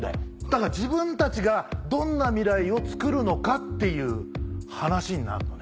だから自分たちがどんな未来を作るのかっていう話になんのね。